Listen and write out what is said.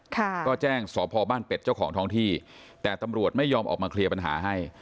ก็แจ้งสพบ้านเป็ดเจ้าของท้องที่แต่ตำรวจไม่ยอมออกมาเคลียร์ปัญหาให้